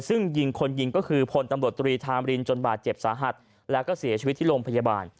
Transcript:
ซึ่งยิงคนยิงก็คือพลตำรวจตรีธามรินจนบาดเจ็บสาหัสแล้วก็เสียชีวิตที่โรงพยาบาล